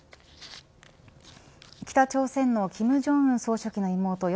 北朝鮮の金正恩総書記の妹与